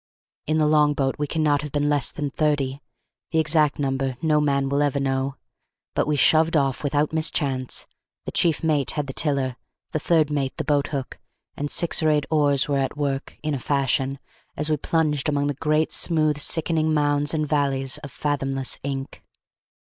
In the long boat we cannot have been less than thirty; the exact number no man will ever know. But we shoved off without mischance; the chief mate had the tiller; the third mate the boat hook; and six or eight oars were at work, in a fashion, as we plunged among the great smooth sickening mounds and valleys of fathomless ink.